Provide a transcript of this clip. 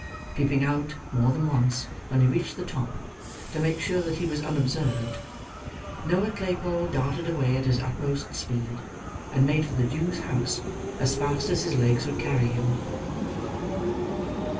Peeping out, more than once, when he reached the top, to make sure that he was unobserved, Noah Claypole darted away at his utmost speed, and made for the Jew's house as fast as his legs would carry him.